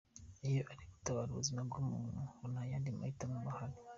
Iyo ari ugutabara ubuzima bw’umuntu , ngo ntayandi mahitamo aba ahari.